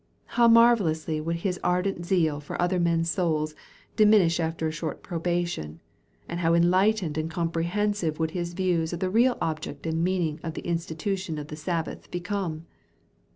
How marvellously would his ardent zeal for other men's souls, diminish after a short probation, and how enlightened and comprehensive would his views of the real object and meaning of the institution of the Sabbath become!